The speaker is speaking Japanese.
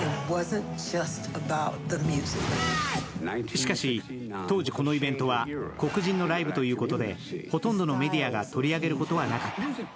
しかし、当時このイベントは黒人のライブということでほとんどのメディアが取り上げることはなかった。